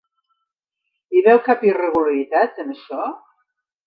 Hi veu cap irregularitat, en això?